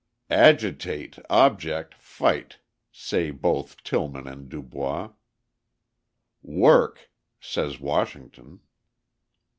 "Agitate, object, fight," say both Tillman and DuBois. "Work," says Washington.